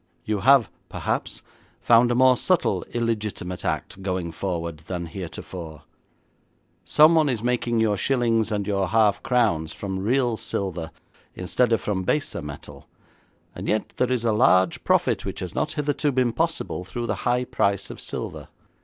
You have, perhaps, found a more subtle illegitimate act going forward than heretofore. Someone is making your shillings and your half crowns from real silver, instead of from baser metal, and yet there is a large profit which has not hitherto been possible through the high price of silver.